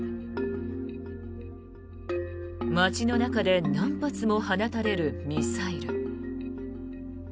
街の中で何発も放たれるミサイル。